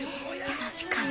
確かに。